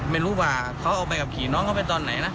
ไม่รู้ว่าเขาเอาใบขับขี่น้องเขาไปตอนไหนนะ